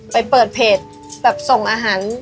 ไปเปิดเพจแบบส่งอาหาร